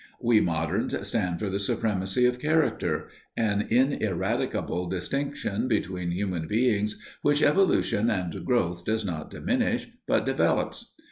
We moderns stand for the supremacy of character, an ineradicable distinction between human beings which evolution and growth does not diminish, but develops.